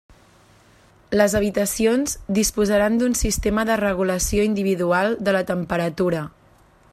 Les habitacions disposaran d'un sistema de regulació individual de la temperatura.